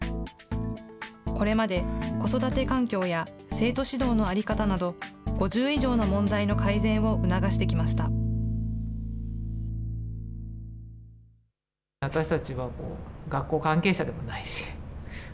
これまで子育て環境や生徒指導の在り方など、５０以上の問題の改善を促してきました。